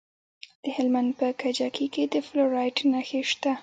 د هلمند په کجکي کې د فلورایټ نښې شته.